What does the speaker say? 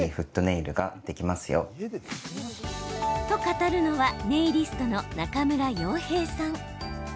と語るのはネイリストの中村洋平さん。